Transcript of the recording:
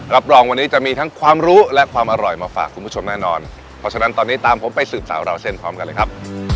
รับรองวันนี้จะมีทั้งความรู้และความอร่อยมาฝากคุณผู้ชมแน่นอนเพราะฉะนั้นตอนนี้ตามผมไปสืบสาวราวเส้นพร้อมกันเลยครับ